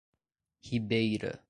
Ribeira